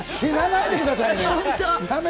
死なないでくださいね。